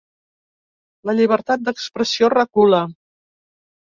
La llibertat d’expressió recula.